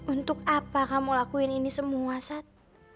untuk apa kamu lakuin ini semua sat